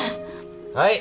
はい！